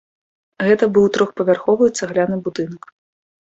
Гэта быў трохпавярховы цагляны будынак.